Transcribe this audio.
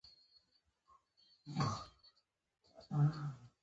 سبا به له خیره پیدوزي غږ در باندې وکړي.